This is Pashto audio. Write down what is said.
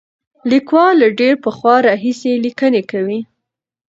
لیکوال له ډېر پخوا راهیسې لیکنې کوي.